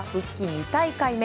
２大会目。